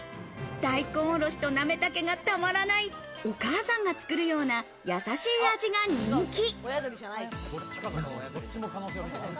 大根おろしと、なめ茸がたまらない、お母さんが作るような、やさしい味が人気。